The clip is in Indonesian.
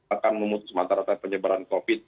untuk memutuskan penyebaran covid sembilan belas